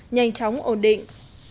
nhanh chóng ổn định